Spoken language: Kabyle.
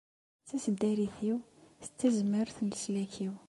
D taseddarit-iw, d tazmert n leslak-iw.